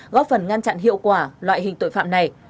góp phần ngăn chặn hiệu quả loại hình tội phạm này